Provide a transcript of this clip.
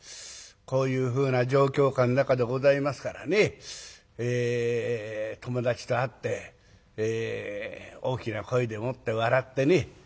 こういうふうな状況下の中でございますからね友達と会って大きな声でもって笑ってね